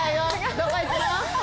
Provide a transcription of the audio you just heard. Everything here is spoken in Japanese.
どこ行くの？